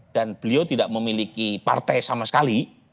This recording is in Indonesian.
dan beliau tidak memiliki partai sama sekali